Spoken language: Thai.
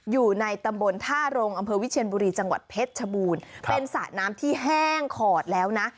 อยู่ในตำบลท่ารงอำเภอวิเชียนบุรีจังหวัดเพชรชบูรณ์เป็นสระน้ำที่แห้งขอดแล้วนะ